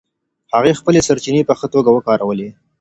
هغې خپلې سرچینې په ښه توګه وکارولې.